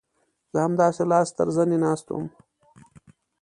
زه همداسې لاس تر زنې ناست وم.